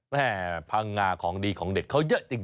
พังงาของดีของเด็ดเขาเยอะจริง